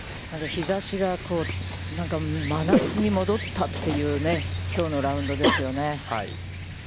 日差しが、何か真夏に戻ったという、きょうのラウンドですよね。